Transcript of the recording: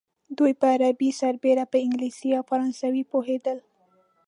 دوی په عربي سربېره په انګلیسي او فرانسوي پوهېدل.